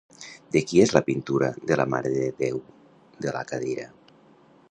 De qui és la pintura de la Mare de Déu de la Cadira?